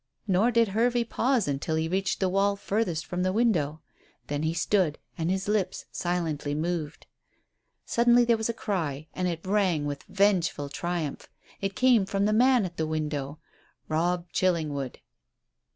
Nor did Hervey pause until he reached the wall furthest from the window. Then he stood, and his lips silently moved. Suddenly there was a cry, and it rang with vengeful triumph. It came from the man at the window Robb Chillingwood.